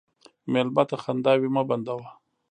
مېلمه ته خنداوې مه بندوه.